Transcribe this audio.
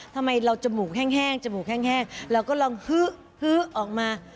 ทำไมเราจมูกแห้งจมูกแห้งเราก็ลองฮึออกมา